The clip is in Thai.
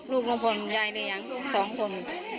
ลูกลงพลยายเตะอย่าง๒คน